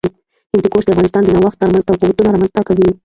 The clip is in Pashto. هندوکش د افغانستان د ناحیو ترمنځ تفاوتونه رامنځ ته کوي.